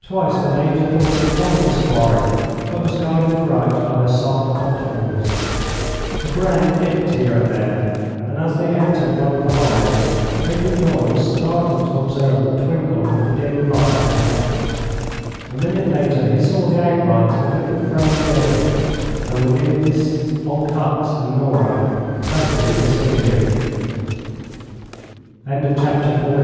Twice the Major thought he had lost his quarry, but was guided aright by their soft footfalls. The ground dipped here and there, and as they entered one of the hollows Major Doyle was startled to observe the twinkle of a dim light ahead. A minute later he saw the outlines of a little frame building, and within this Old Hucks and Nora presently disappeared. CHAPTER XV. THE MAN IN HIDING.